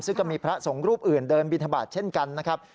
ซึ่งก็มีพระสงฆ์รูปอื่นเดินบินทบาทเช่นกันนะครับ